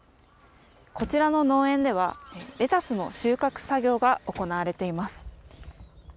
こちらの農園では、レタスの収穫作業が行われています。